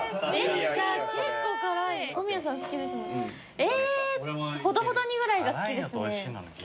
じゃあ結構辛い？えほどほどにぐらいが好きですね。